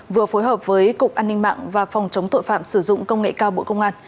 vừa phối hợp với cục an ninh mạng và phòng chống tội phạm sử dụng công nghệ cao bộ công an